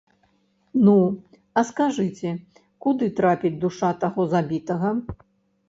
Ну, а скажыце, куды трапіць душа таго забітага?